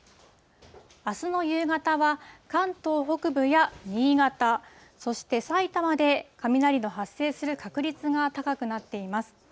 あすの夕方は関東北部や新潟、そして埼玉で雷の発生する確率が高くなっています。